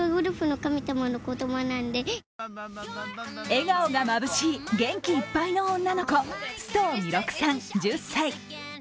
笑顔がまぶしい元気いっぱいの女の子、須藤弥勒さん１０歳。